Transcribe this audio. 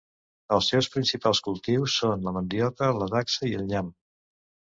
Els seus principals cultius són la mandioca, la dacsa i el nyam.